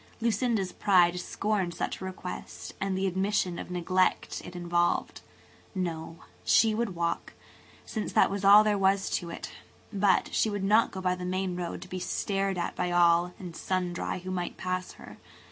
Lucinda's pride scorned such a request and the admission of neglect it involved. No, she would walk, since that was all there was to it; but she would not go by the main road to be stared at by all and sundry who might pass her.